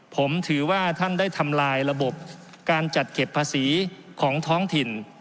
ผมถือว่าท่านได้ทำลายระบบการจัดเก็บภาษีของท้องถิ่น